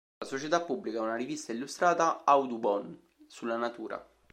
La società pubblica una rivista illustrata, "Audubon", sulla natura.